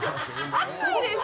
熱いです！